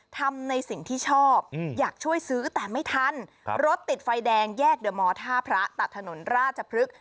ทำในสิ่งที่ชอบอยากช่วยซื้อแต่ไม่ทันรถติดไฟแดงแยกเดอร์มอท่าพระตัดถนนราชพฤกษ์